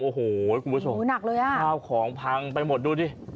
โอ้โหคุณผู้ชมหนักเลยอ่ะข้าวของพังไปหมดดูดิ